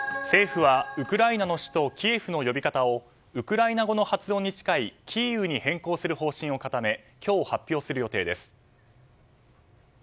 政府はウクライナの首都キエフの呼び方をウクライナ語の発音に近いキーウに変更する方針を固め今日、発表する予定です。